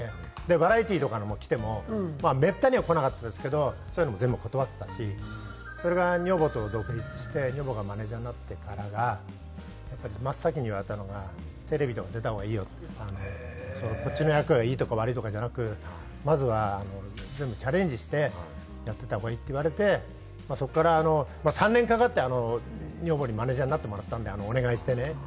バラエティー来てもめったに来なかったんですけど、そういうのも全部断っていたし、それが女房と独立して女房がマネジャーになってから真っ先に言われたのが、テレビとか出た方がいいよって、こっちの役がいいとか悪いとかではなく、まずは全部チャレンジしてやっていったほうがいいと言われて、そこから３年かかって女房にマネジャーになってもらったんで、お願いしてね。